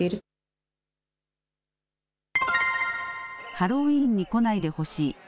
ハロウィーンに来ないでほしい。